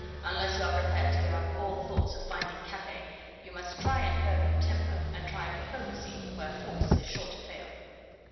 "Unless you are prepared to give up all thoughts of finding Capet, you must try and curb your temper, and try diplomacy where force is sure to fail."